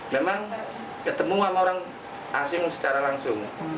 memang ketemu sama orang asing secara langsung